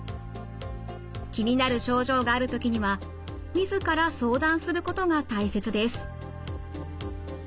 気になる症状がある時には自ら相談することが大切です。